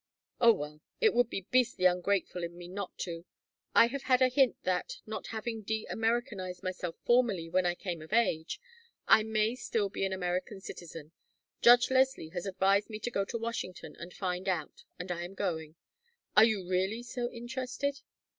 "Oh, well, it would be beastly ungrateful in me not to. I have had a hint that, not having de Americanized myself formally when I came of age, I may still be an American citizen. Judge Leslie has advised me to go to Washington and find out, and I am going. Are you really so interested?"